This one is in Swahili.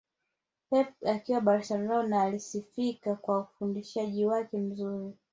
Pep akiwa Barcelona alisifika kwa ufundishaji wake mzuri